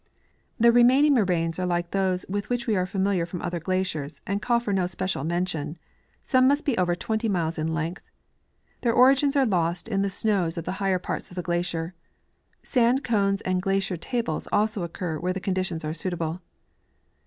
The remain ing moraines are like those with Avhich Ave are familiar on other glaciers, and call for no special mention. Some must be over 20 miles in length. Their origins are lost in the snoAvs of the higher parts of the glacier. Sand cones and glacier tables also occur AAdiere the conditions are suitable.